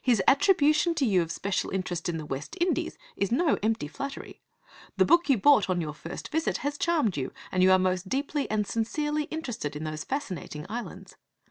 His attribution to you of special interest in the West Indies is no empty flattery. The book you bought on your first visit has charmed you, and you are most deeply and sincerely interested in those fascinating islands.